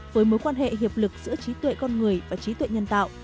với mối quan hệ hiệp lực giữa trí tuệ con người và trí tuệ nhân tạo